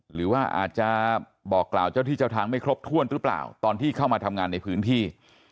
หรือว่าอาจจะบอกกล่าวเจ้าที่เจ้าทางไม่ครบถ้วนหรือเปล่าตอนที่เข้ามาทำงานในพื้นที่